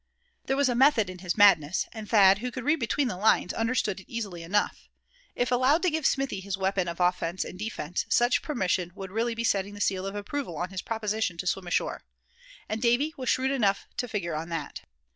There was a method in his madness; and Thad, who could read between the lines, understood it easily enough. If allowed to give Smithy his weapon of offense and defense, such permission would really be setting the seal of approval on his proposition to swim ashore. And Davy was shrewd enough to figure on that.